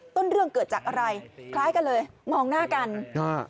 ต้นเรื่องเกิดจากอะไรคล้ายกันเลยมองหน้ากันอ่า